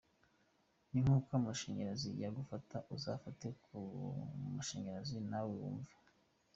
Ni nk’ uko amashanyarazi yagufata uzafate ku mashanyarazi nawe wumve.